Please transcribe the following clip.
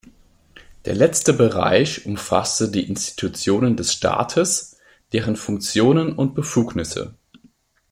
Der letzte Bereich umfasste die Institutionen des Staates, deren Funktionen und Befugnisse.